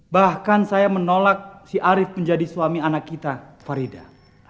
bahkan saya menolak si arief menjadi suami anak kita farida